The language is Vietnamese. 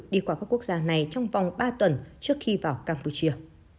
đi qua các quốc gia này trong vòng ba tuần trước khi vào campuchia